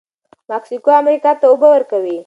مکسیکو امریکا ته اوبه ورکوي.